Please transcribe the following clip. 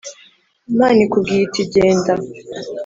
imana ikubwiye iti genda